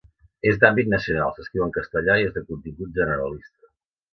És d'àmbit nacional, s'escriu en castellà i és de contingut generalista.